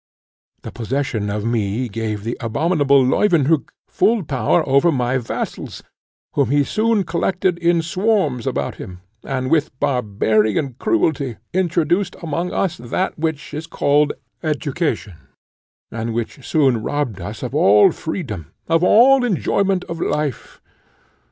The possession of me gave the abominable Leuwenhock full power over my vassals, whom he soon collected in swarms about him, and with barbarian cruelty introduced amongst us that which is called education, and which soon robbed us of all freedom, of all enjoyment of life.